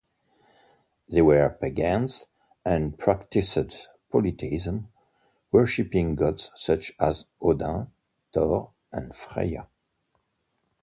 They were pagans and practiced polytheism, worshipping gods such as Odin, Thor, and Freya.